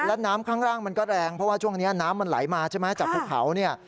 และน้ำข้างล่างมันก็แรงเพราะว่าช่วงนี้น้ำมันไหลมาใช่ไหมจากภูเขาเนี่ย